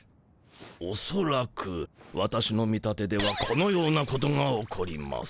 おそらく私の見立てではこのようなことが起こります。